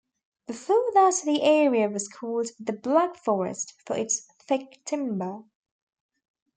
Before that the area was called the "Black Forest" for its thick timber.